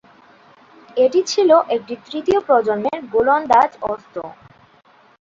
এটি ছিল একটি তৃতীয় প্রজন্মের গোলন্দাজ অস্ত্র।